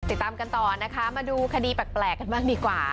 ติดตามกันต่อนะคะมาดูคดีแปลกกันบ้างดีกว่า